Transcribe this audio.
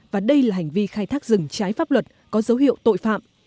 và đây là hành vi khai thác rừng trái pháp luật có dấu hiệu tội phạm